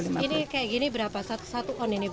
ini kayak gini berapa satu ton ini bu